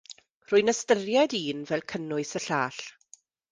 Rwy'n ystyried un fel cynnwys y llall.